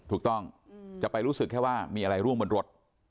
ถูกต้องจะไปรู้สึกแค่ว่ามีอะไรร่วงบนรถ